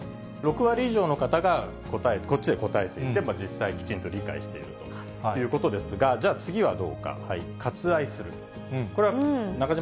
６割以上の方が答え、こっちで答えていて、実際きちんと理解しているということですが、じゃあ、次はどうか。